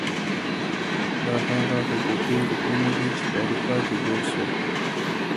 دا هغه حقوقي رکنونه دي چي په اروپا کي جوړ سول.